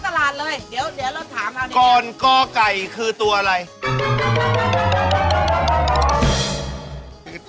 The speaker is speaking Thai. เป็นรูปอะไรครับ